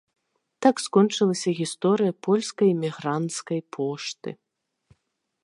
Так скончылася гісторыя польскай эмігранцкай пошты.